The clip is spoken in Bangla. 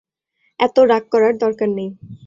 এতো রাগ করার দরকার নেই।